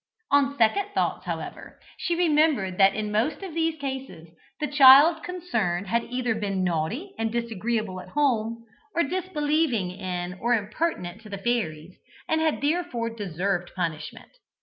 On second thoughts, however, she remembered that in most of these cases the child concerned had either been naughty and disagreeable at home, or disbelieving in or impertinent to the fairies, and had therefore deserved punishment.